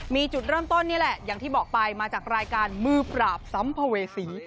มีจุดเริ่มต้นนี่แหละอย่างที่บอกไปมาจากรายการมือปราบสัมภเวษี